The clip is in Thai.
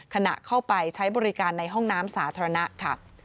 ขณะเข้าไปใช้บริการในห้องน้ำสาธารณะค่ะ